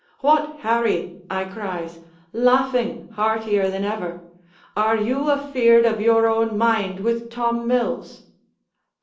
'What, Harry,' I cries, laughing heartier than ever, 'are you afeard of your own mind with Tom Mills?'